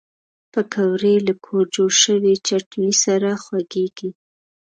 پکورې له کور جوړ شوي چټني سره خوږېږي